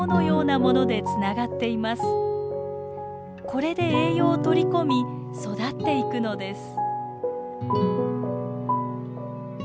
これで栄養を取り込み育っていくのです。